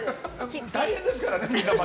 大変ですからね、みんな。